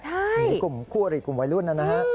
ใช่หนีกลุ่มกลัวอีกกลุ่มวัยรุ่นนั้นนะฮะ